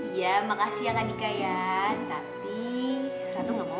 iya makasih ya kak adhika ya tapi ratu gak mau